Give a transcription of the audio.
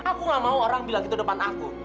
aku tidak mau orang bilang begitu depan aku